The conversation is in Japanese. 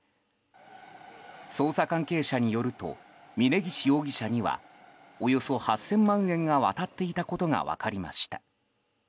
捜査関係者によると峯岸容疑者にはおよそ８０００万円が渡っていたことが分かりました。